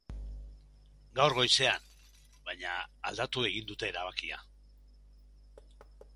Gaur goizean, baina, aldatu egin dute erabakia.